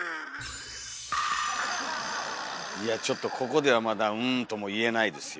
いやちょっとここではまだ「うん」とも言えないですよ。